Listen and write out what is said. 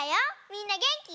みんなげんき？